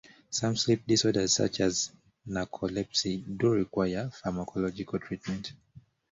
Some sleep disorders such as narcolepsy do require pharmacological treatment.